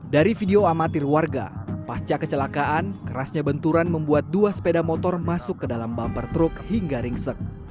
dari video amatir warga pasca kecelakaan kerasnya benturan membuat dua sepeda motor masuk ke dalam bumper truk hingga ringsek